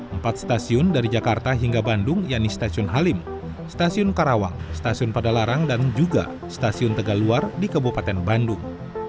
empat stasiun dari jakarta hingga bandung yakni stasiun halim stasiun karawang stasiun padalarang dan juga stasiun tegaluar di kabupaten bandung